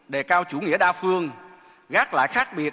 đề cao chủ nghĩa đa phương gác lại khác biệt